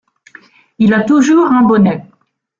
Il a toujours un bonnet.